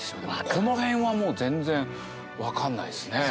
この辺はもう全然分かんないですね。